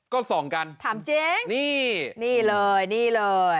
ก็ส่องกันถามเจ๊งนี่เลย